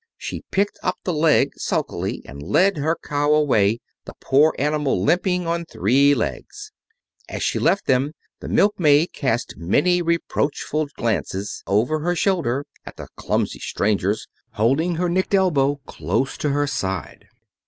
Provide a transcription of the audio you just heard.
She picked up the leg sulkily and led her cow away, the poor animal limping on three legs. As she left them the milkmaid cast many reproachful glances over her shoulder at the clumsy strangers, holding her nicked elbow close to her side.